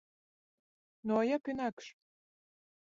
Ну а як інакш?